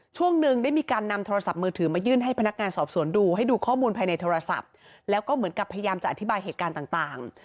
ช่วงหนึ่งได้มีการนำโทรศัพท์มือถือมายื่นให้พนักงานสอบสวนดูให้ดูข้อมูลภายในโทรศัพท์แล้วก็เหมือนกับพยายามจะอธิบายเหตุการณ์ต่าง